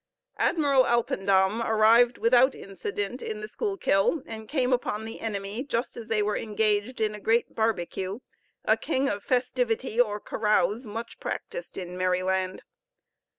Admiral Alpendam arrived without accident in the Schuylkill, and came upon the enemy just as they were engaged in a great "barbecue," a king of festivity or carouse much practised in Merryland.